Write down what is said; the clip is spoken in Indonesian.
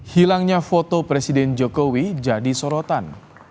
hilangnya foto presiden jokowi jadi sorotan